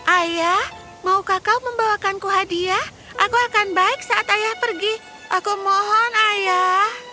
ayah maukah kau membawakanku hadiah aku akan baik saat ayah pergi aku mohon ayah